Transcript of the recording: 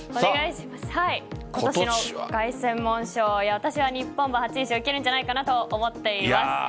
今年の凱旋門賞、私は日本馬初優勝いけるんじゃないかなと思っています。